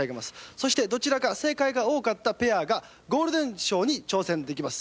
そしてどちらか正解が多かったペアがゴールデン賞に挑戦できます。